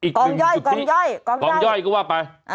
กองย่อยกองย่อยกองย่อยก็ว่ากลับไปอุ้ย